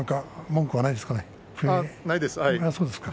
文句はないです。